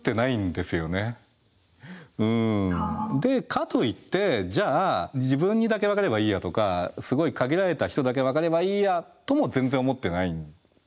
かといってじゃあ自分にだけ分かればいいやとかすごい限られた人だけ分かればいいやとも全然思ってないっていうね。